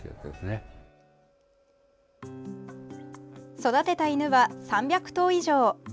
育てた犬は、３００頭以上。